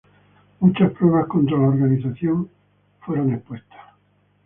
Muchas pruebas contra la organización fueron expuestas.